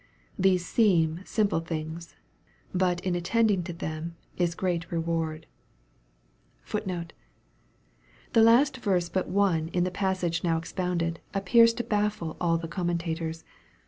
These seem simple things. But in at tending to them is great reward.* * The last verse but one in the passage now expounded, appears to baffle all the commentators.